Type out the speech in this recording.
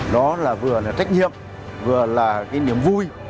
đó là vừa là trách nhiệm vừa là cái niềm vui